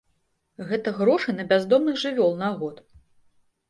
Гэта грошы на бяздомных жывёл на год.